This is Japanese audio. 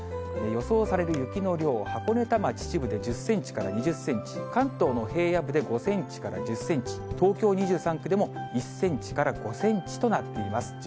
予想される雪の量、箱根、多摩、秩父で１０センチから２０センチ、関東の平野部で５センチから１０センチ、東京２３区でも１センチから５センチとなっています。